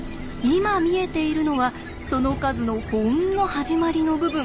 今見えているのはその数のほんの始まりの部分。